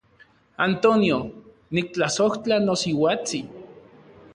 Antonio, niktlasojtla nosiuatsin.